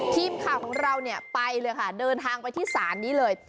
ทีมข่าวของเราเนี่ยไปเลยค่ะเดินทางไปที่ศาลนี้เลย